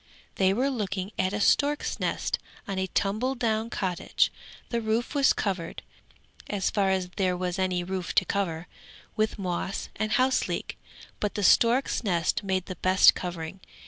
They were looking at a stork's nest on a tumble down cottage; the roof was covered, as far as there was any roof to cover, with moss and house leek; but the stork's nest made the best covering.